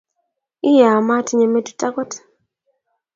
iyaa motinye metit agot.